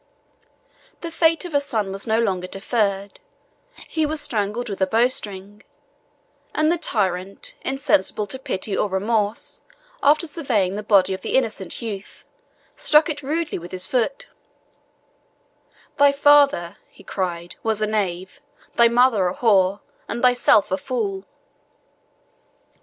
The fate of her son was not long deferred: he was strangled with a bowstring; and the tyrant, insensible to pity or remorse, after surveying the body of the innocent youth, struck it rudely with his foot: "Thy father," he cried, "was a knave, thy mother a whore, and thyself a fool!"